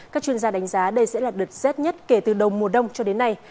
các chuyên gia đánh giá đây sẽ là đợt rét nhất kể từ đầu mùa đông cho đến nay